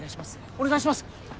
お願いします。